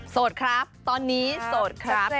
โสดครับตอนนี้โสดครับ